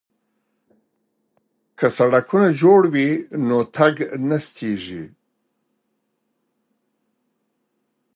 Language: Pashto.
که سړکونه جوړ وي نو تګ نه ستیږي.